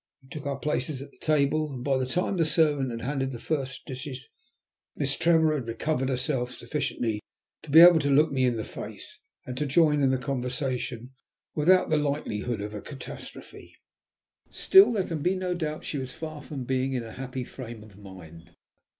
We took our places at the table, and by the time the servant had handed the first dishes Miss Trevor had recovered herself sufficiently to be able to look me in the face, and to join in the conversation without the likelihood of a catastrophe. Still there could be no doubt that she was far from being in a happy frame of mind.